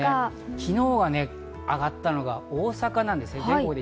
昨日は上がったのが大阪です。